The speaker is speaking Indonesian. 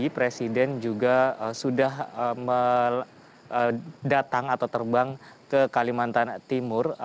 presiden juga sudah datang atau terbang ke kalimantan timur